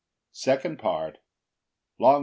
Second Part. L. M.